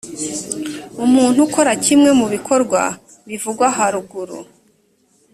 umuntu ukora kimwe mu bikorwa bivugwa haruguru